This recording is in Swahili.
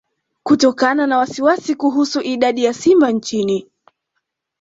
Kutokana na wasiwasi kuhusu idadi ya simba nchini